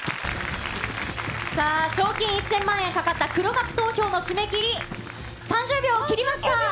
さあ、賞金１０００万円かかった黒幕投票の締め切り、３０秒を切りまし